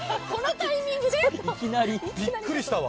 いきなり、びっくりしたわ。